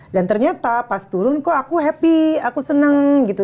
dan ternyata pas turun kok aku happy aku seneng gitu